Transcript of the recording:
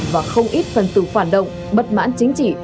và không ít phần tử phản động bật mãn chính trị